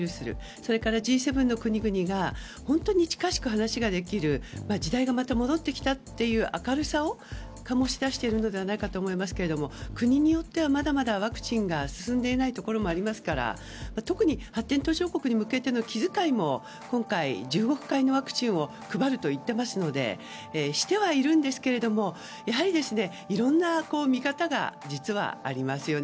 それからＧ７の国々が本当に近しく話ができる時代がまた戻ってきたという明るさをかもしだしていると思いますけど国によっては、まだまだワクチンが進んでいないところもありますから特に発展途上国に向けての気遣いも今回、１０億回のワクチンを配るといっていますのでしてはいるんですけれどもやはり、いろんな見方が実はありますよね。